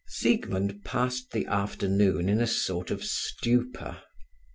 XXV Siegmund passed the afternoon in a sort of stupor.